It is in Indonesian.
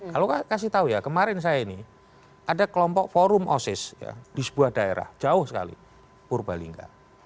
kalau kasih tahu ya kemarin saya ini ada kelompok forum osis di sebuah daerah jauh sekali purbalingga